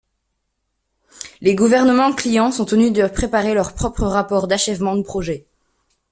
Les gouvernements clients sont tenus de préparer leurs propres rapports d'achèvement de projet.